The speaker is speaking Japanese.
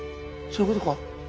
そういうことか？